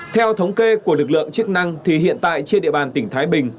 theo thống kê của lực lượng chức năng thì hiện tại trên địa bàn tỉnh thái bình